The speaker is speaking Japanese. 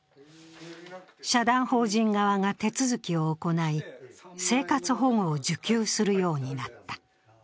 社団法人側が手続きを行い、生活保護を受給するようになった。